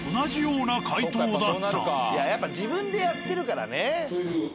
やっぱ自分でやってるからね。